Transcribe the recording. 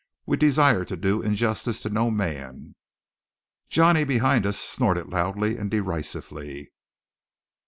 "We desire to do injustice to no man " Johnny, behind us, snorted loudly and derisively.